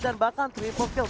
dan bahkan triple kill